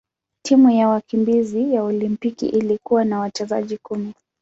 Timu ya wakimbizi ya Olimpiki ilikuwa na wachezaji kumi.